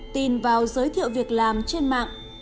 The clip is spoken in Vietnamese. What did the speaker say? tin vào giới thiệu việc làm trên mạng